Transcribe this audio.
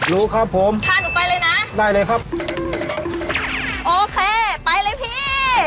รู้ครับผมพาหนูไปเลยนะได้เลยครับโอเคไปเลยพี่